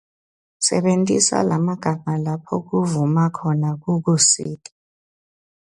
Sebentisa lamagama lapho kuvuma khona kukusita.